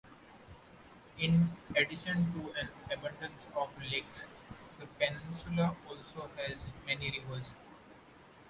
In addition to an abundance of lakes, the peninsula also has many rivers.